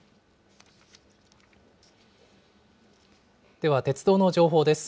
では、鉄道の情報です。